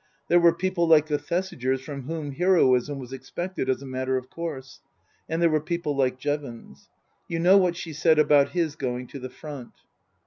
There were people like the Thesigers from whom heroism was expected as a matter of course ; and there were people like Jevons. You know what she said about his going to the front.